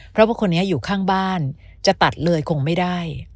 ตอนนี้อยู่ข้างบ้านจะตัดเลยคงไม่ได้